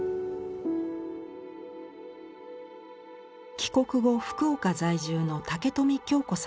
帰国後福岡在住の武富京子さんと再婚。